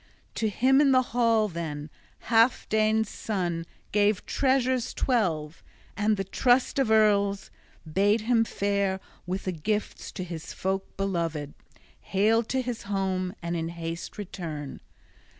To him in the hall, then, Healfdene's son gave treasures twelve, and the trust of earls bade him fare with the gifts to his folk beloved, hale to his home, and in haste return.